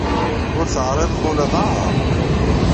Ur teɛriḍeḍ ula d aɛraḍ.